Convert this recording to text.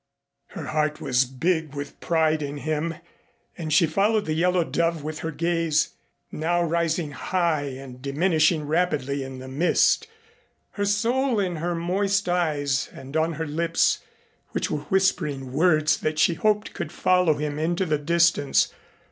Her heart was big with pride in him and she followed the Yellow Dove with her gaze, now rising high and diminishing rapidly in the mist, her soul in her moist eyes and on her lips which were whispering words that she hoped could follow him into the distance.